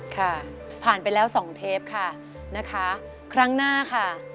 ค่ะผ่านไปแล้ว๒เทปค่ะนะคะครั้งหน้าค่ะ